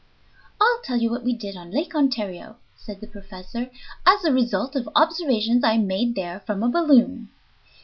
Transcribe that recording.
"I'll tell you what we did on Lake Ontario," said the professor, "as a result of observations I made there from a balloon.